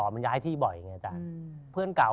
มันย้ายที่บ่อยเนี่ยจ้ะเพื่อนเก่า